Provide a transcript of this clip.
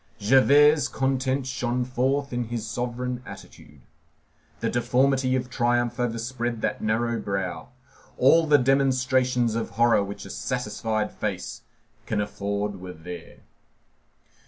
Javert's content shone forth in his sovereign attitude. The deformity of triumph overspread that narrow brow. All the demonstrations of horror which a satisfied face can afford were there.